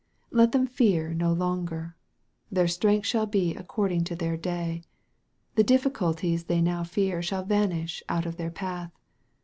Let them fear no longer. Their strength shall be according to their day. The difficulties they now fear shall vanish out of their path.